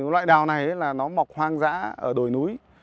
loại đào này là nó mọc hoang dã ở đồi núi